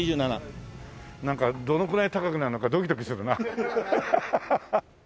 なんかどのくらい高くなるのかドキドキするな。